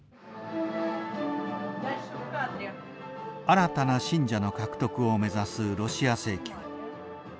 新たな信者の獲得を目指すロシア正教。